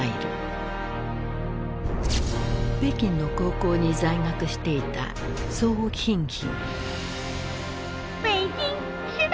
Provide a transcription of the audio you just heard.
北京の高校に在学していた宋彬彬。